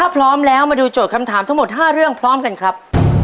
พร้อมแล้วมาดูโจทย์คำถามทั้งหมด๕เรื่องพร้อมกันครับ